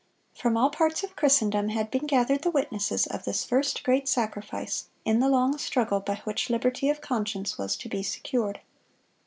From all parts of Christendom had been gathered the witnesses of this first great sacrifice in the long struggle by which liberty of conscience was to be secured.